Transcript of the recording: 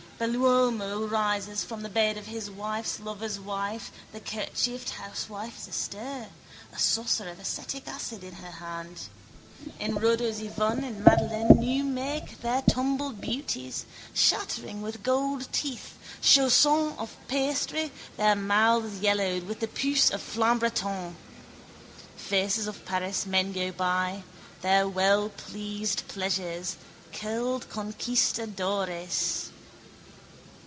Belluomo rises from the bed of his wife's lover's wife, the kerchiefed housewife is astir, a saucer of acetic acid in her hand. In Rodot's Yvonne and Madeleine newmake their tumbled beauties, shattering with gold teeth chaussons of pastry, their mouths yellowed with the pus of flan bréton. Faces of Paris men go by, their wellpleased pleasers, curled conquistadores.